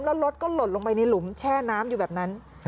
แล้วรถก็หล่นลงไปในหลุมแช่น้ำอยู่แบบนั้น